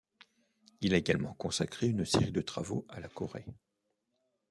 Il a également consacré une série de travaux à la Corée.